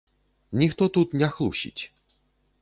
Ніхто тут не хлусіць.